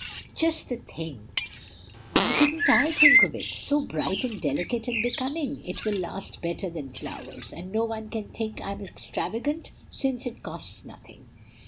"Just the thing! Why didn't I think of it? So bright and delicate and becoming? It will last better than flowers; and no one can think I'm extravagant, since it costs nothing."